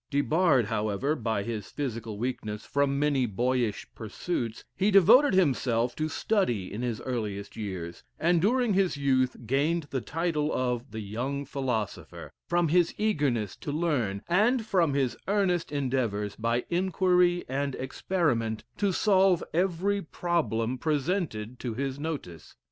Debarred, however, by his physical weakness from many boyish pursuits, he devoted himself to study in his earliest years, and during his youth gained the title of the young philosopher, from his eagerness to learn, and from his earnest endeavors by inquiry and experiment to solve every problem presented to his notice.